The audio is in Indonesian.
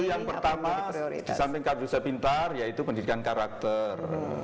yang pertama disamping kardusnya pintar yaitu pendidikan karakter